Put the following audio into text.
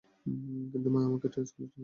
কিন্তু মা আমাকে স্কুলে টেনে নিয়ে এলো।